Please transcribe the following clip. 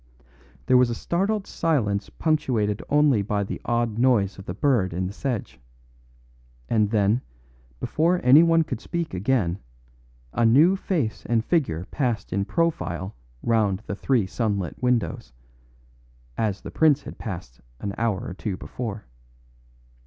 There was a startled silence punctuated only by the odd noise of the bird in the sedge; and then, before anyone could speak again, a new face and figure passed in profile round the three sunlit windows, as the prince had passed an hour or two before.